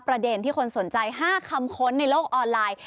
ประเด็นที่คนสนใจ๕คำค้นในโลกออนไลน์